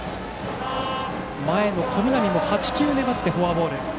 前の小南も８球粘ってフォアボール。